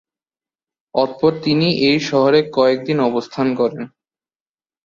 অত:পর তিনি এই শহরে কয়েকদিন অবস্থান করেন।